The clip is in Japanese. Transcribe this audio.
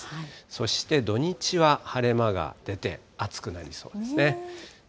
そして、土日は晴れ間が出て、暑くなりそうですね。